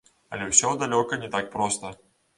Але ўсё далёка не так проста.